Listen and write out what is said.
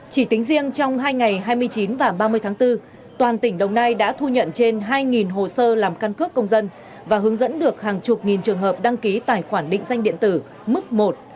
chỉ tính riêng trong hai ngày hai mươi chín và ba mươi tháng bốn toàn tỉnh đồng nai đã thu nhận trên hai hồ sơ làm căn cước công dân và hướng dẫn được hàng chục nghìn trường hợp đăng ký tài khoản định danh điện tử mức một ba